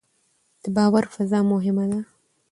د باور فضا مهمه ده